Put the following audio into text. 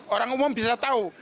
orang umum bisa tahu